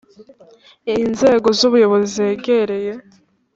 inzego z ubuyobozi zegereye